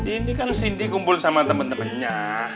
ini kan cindy kumpul sama temen temennya